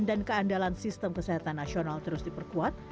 dan keandalan sistem kesehatan nasional terus diperkuat